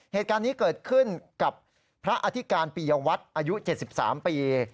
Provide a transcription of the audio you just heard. เหตุการณ์นี้เกิดขึ้นกับพระอธิการปียวัตรอายุ๗๓ปี